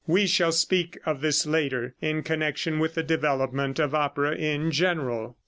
We shall speak of this later, in connection with the development of opera in general.